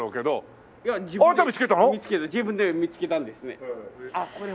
自分で見つけたんですね。